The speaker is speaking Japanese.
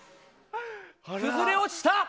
崩れ落ちた。